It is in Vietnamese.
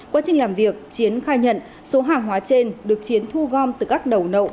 quá trình làm việc chiến khai nhận số hàng hóa trên được chiến thu gom từ các đầu nậu